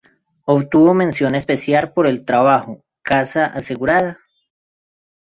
Obtuvo Mención Especial por el trabajo ¿Casa Asegurada?